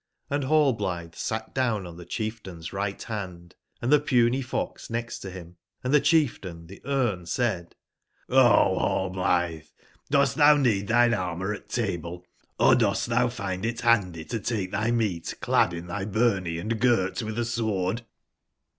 Hnd Hallblithe sat down on the chieftain's right hand, and the puny fox next to him ; and the chieftain, the Brne, said : ''O Hallblithcdost thou need thine ar mour at table ; or dost thou find it handy to take thy meat clad in thy byrny and girt with a sword